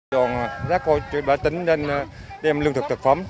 giờ rác hội truyền bá tính đến đem lương thực thực phẩm